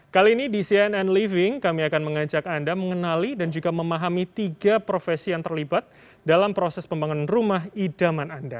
kali ini di cnn living kami akan mengajak anda mengenali dan juga memahami tiga profesi yang terlibat dalam proses pembangunan rumah idaman anda